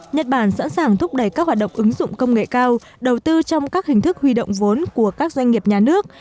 nhật bản sẵn sàng thúc đẩy các hoạt động ứng dụng công nghệ cao đầu tư trong các hình thức huy động vốn của các doanh nghiệp nhà nước